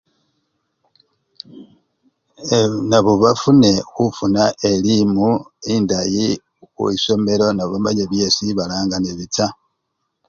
Eee! nabo bafune khufuna elimu endayi ye! khwisomelo nabo bamanye byesibala nga nebicha.